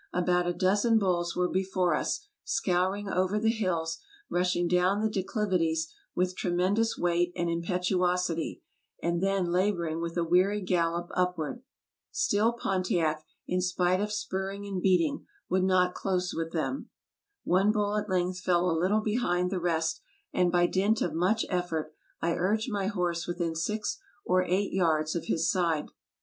About a dozen bulls were before us, scouring over the hills, rushing down the declivities with tremendous weight and impetuosity, and then laboring with a weary gallop upward. Still Pontiac, in spite of spurrino and beating, would not close with them. One bull at length fell a little behind the rest, and by dint of much effort I urged my horse within six or eight yards of his side.